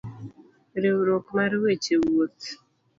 Riwruok mar weche wuoth